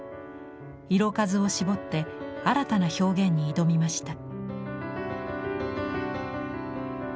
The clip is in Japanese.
色数を絞って新たな表現に挑みました。